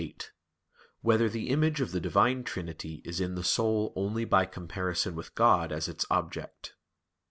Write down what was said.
8] Whether the Image of the Divine Trinity Is in the Soul Only by Comparison with God As Its Object?